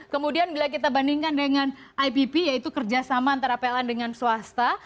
kemudian bila kita bandingkan dengan ipp yaitu kerjasama antara pln dengan swasta